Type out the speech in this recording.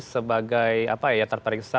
sebagai apa ya terperiksa